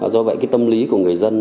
do vậy cái tâm lý của người dân